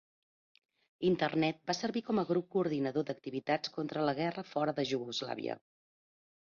Internet va servir com a grup coordinador d'activitats contra la guerra fora de Iugoslàvia.